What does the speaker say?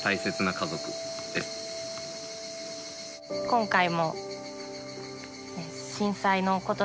今回も。